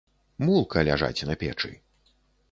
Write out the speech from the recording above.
Мулка ляжаць на печы.